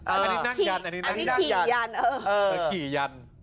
อันนี้นั่งยันอันนี้กี่ยัน